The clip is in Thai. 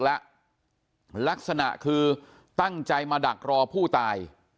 แล้วลักษณะคือตั้งใจมาดักรอผู้ตาย